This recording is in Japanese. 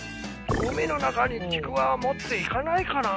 海の中にちくわはもっていかないかな？